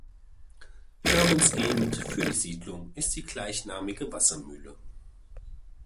Namensgebend für die Siedlung ist die gleichnamige Wassermühle.